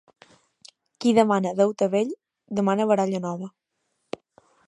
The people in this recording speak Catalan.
Qui demana deute vell, demana baralla nova.